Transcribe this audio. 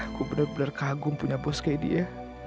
aku bener bener kagum punya bos kayak dia